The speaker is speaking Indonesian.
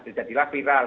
dia jadilah viral